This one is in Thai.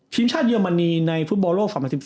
ทีมชาติเยอรมนีในฟุตบอลโลก๒๐๑๔